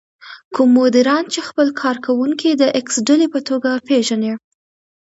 کوم مديران چې خپل کار کوونکي د ايکس ډلې په توګه پېژني.